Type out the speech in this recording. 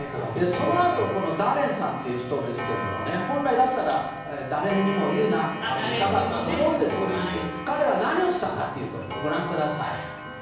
そのあとダレンさんという人ですけれども本来だったらダレンにも言うなと言いたかったと思いますが彼は何をしたかというとご覧ください。